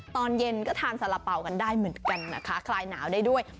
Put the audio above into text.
ตอนเย็นก็ทานสาระเป๋ากันได้เหมือนกันนะคะคลายหนาวได้ด้วย